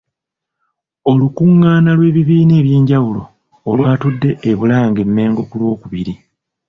Olukungaana lw'ebibiina ebyenjawulo olwatudde e Bulange- Mmengo ku lwokubiri.